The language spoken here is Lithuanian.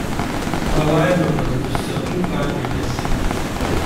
Palaidotas Dusetų kapinėse.